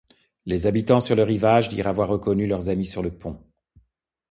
Les habitants sur le rivage dirent avoir reconnu leurs amis sur le pont.